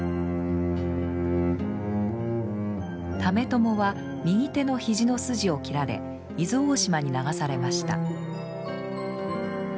爲朝は右手の肘の筋を切られ伊豆大島に流されました。